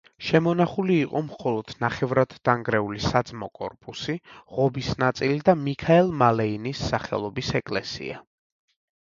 შემონახული იყო მხოლოდ ნახევრადდანგრეული საძმო კორპუსი, ღობის ნაწილი და მიქაელ მალეინის სახელობის ეკლესია.